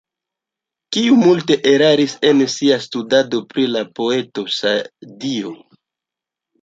Kiu multe eraris en sia studado pri la poeto Sadio.